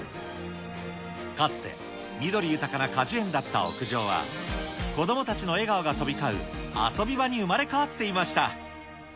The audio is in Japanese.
かつて、緑豊かな果樹園だった屋上は、子どもたちの笑顔が飛び交う遊び場に生まれ変わっていました。